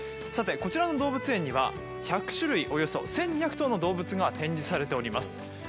こちらの動物園には１００種類およそ１２００頭の動物が展示されています。